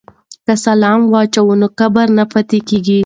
که سلام واچوو نو کبر نه پاتې کیږي.